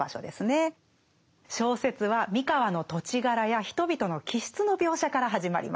小説は三河の土地柄や人々の気質の描写から始まります。